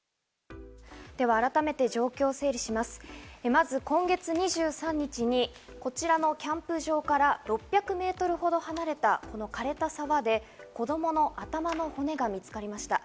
まず今月２３日に、こちらのキャンプ場から６００メートルほど離れたこの枯れた沢で子供の頭の骨が見つかりました。